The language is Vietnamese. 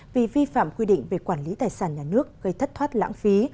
vì vi phạm quy định về quản lý tài sản nhà nước gây thất thoát lãng phí